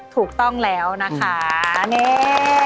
ถูกต้องแล้วนะคะนี่